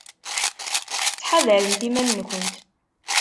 Ttḥadaremt iman-nkent.